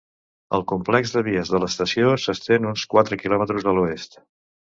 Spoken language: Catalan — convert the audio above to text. El complex de vies de l'estació s'estén uns quatre quilòmetres a l'oest.